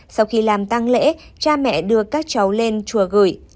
sau khi làm tăng lễ cha mẹ đưa các cháu lên chùa gửi